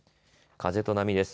風と波です。